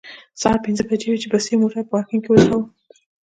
سهار پنځه بجې وې چې بصیر موټر پارکینګ کې ودراوه.